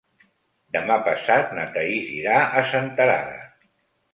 Demà passat na Thaís irà a Senterada.